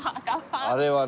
あれはね。